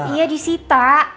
iya di sita